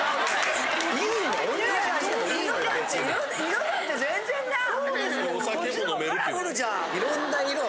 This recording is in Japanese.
色だって全然なあ。